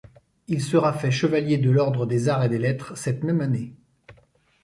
Il sera fait Chevalier de l'ordre des Arts et des Lettres cette même année.